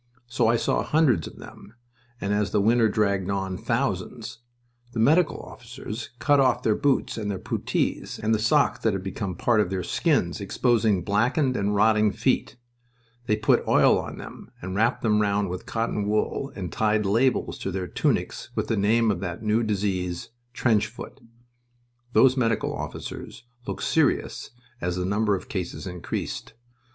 So I saw hundreds of them, and, as the winter dragged on, thousands. The medical officers cut off their boots and their puttees, and the socks that had become part of their skins, exposing blackened and rotting feet. They put oil on them, and wrapped them round with cotton wool, and tied labels to their tunics with the name of that new disease "trench foot." Those medical officers looked serious as the number of cases increased.